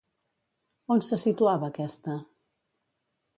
On se situava aquesta?